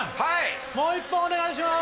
もう１本お願いします！